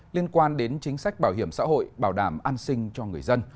liên quan đến chính sách bảo hiểm xã hội bảo đảm an sinh cho người dân